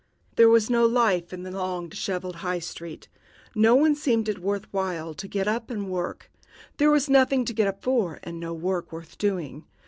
There was no life in the long, disheveled High Street. No one seemed to think it worth while to get up and work. There was nothing to get up for, and no work worth doing.